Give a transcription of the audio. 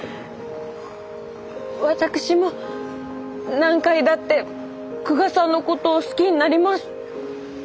私も何回だって久我さんのことを好きになります。